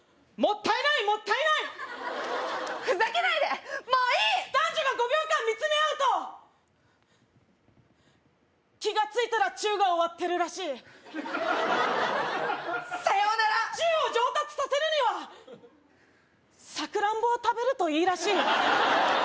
もったいないもったいないふざけないでもういい男女が５秒間見つめ合うと気がついたらチュウが終わってるらしいさようならチュウを上達させるにはサクランボを食べるといいらしい